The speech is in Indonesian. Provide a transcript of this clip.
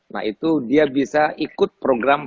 nah itu dia bisa ikut program